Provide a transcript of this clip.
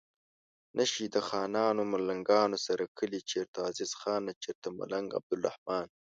نه شي د خانانو ملنګانو سره کلي چرته عزیز خان چرته ملنګ عبدالرحمان